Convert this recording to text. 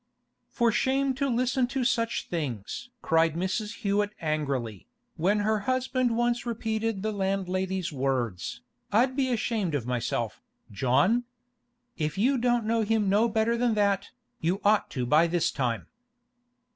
'For shame to listen to such things!' cried Mrs. Hewett angrily, when her husband once repeated the landlady's words, 'I'd be ashamed of myself, John! If you don't know him no better than that, you ought to by this time.